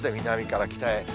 南から北へ。